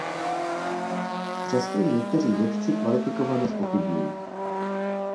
Přesto ji někteří vědci kvalifikovaně zpochybňují.